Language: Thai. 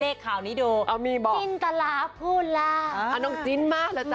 เด็กข่าวนี้ดูเอามีบอกจิ้นตลาดพูดละอ่าน้องจิ้นมากเลยจ้ะ